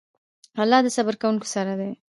الله د صبر کوونکو سره دی.